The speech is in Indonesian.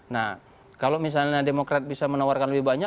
nah kalau misalnya demokrat bisa menawarkan lebih banyak